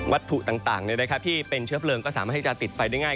วัตถุต่างเนี่ยนะครับที่เป็นเชื้อเปลืองก็สามารถที่จะติดไฟได้ง่าย